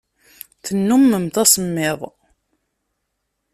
Tennummemt asemmiḍ.